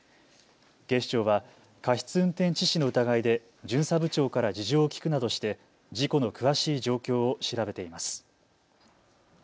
警視庁は過失運転致死の疑いで巡査部長から事情を聴くなどして事故の詳しい状況を調べています。